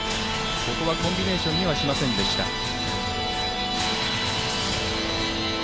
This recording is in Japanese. ここはコンビネーションにはしませんでした。